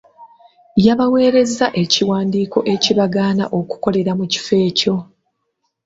Yabaweereza ekiwandiiko ekibagaana okukolera mu kifo ekyo.